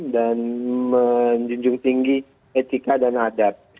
dan menjunjung tinggi etika dan adat